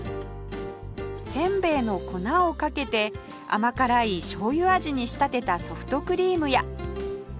せいべいの粉をかけて甘辛いしょうゆ味に仕立てたソフトクリームや